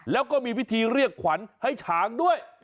แล้วก็มีพิธีเรียกขวัญให้ฉางด้วย